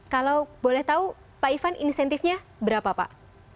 kalau boleh tahu pak ivan insentifnya berapa pak